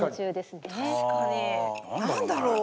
何だろうね。